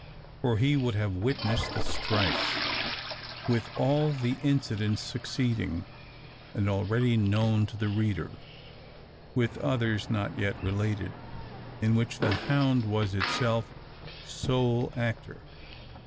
For he would have witnessed the strife, with all the incidents succeeding, and already known to the reader with others not yet related, in which the hound was itself sole actor.